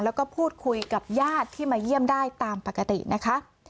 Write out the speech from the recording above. แล้วก็พูดคุยกับญาติที่มาเยี่ยมได้ตามปกตินะคะ